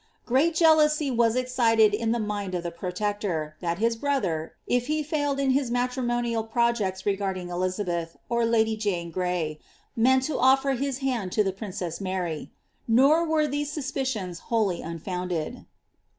Great jealoofjr was excited in the mind of ihe fMroleetor, that hit bro ther, if he friled in his matrimooial (ffcjeets rq{ardinf Eliabeth, or Isdj Jane Gray, meant to ofkr his hand to the princeas Haij. Nor woe these suspicions wholly unfounded.